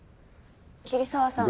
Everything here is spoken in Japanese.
桐沢さん。